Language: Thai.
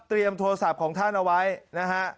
โทรศัพท์ของท่านเอาไว้นะฮะ